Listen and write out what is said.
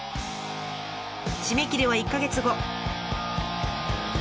締め切りは１か月後。